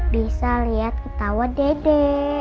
bisa liat ketawa dede